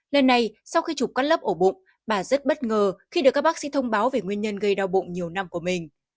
lần này sau khi chụp cắt lớp ổ bụng bà rất bất ngờ khi được các bác sĩ thông báo về nguyên nhân gây đau bụng nhiều năm của mình